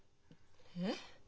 えっ？